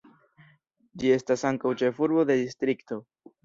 Ĝi estas ankaŭ ĉefurbo de distrikto.